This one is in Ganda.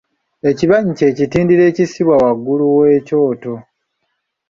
Ekibanyi kye kitindiro ekisibwa waggulu w’ekyoto.